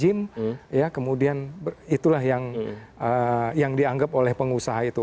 ada orang yang habis nge gym ya kemudian itulah yang yang dianggap oleh pengusaha itu